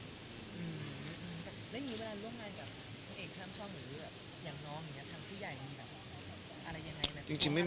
เพราะเวลารับงานเราก็บอกพี่ใหญ่ก่อน